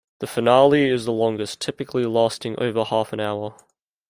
The finale is the longest, typically lasting over half an hour.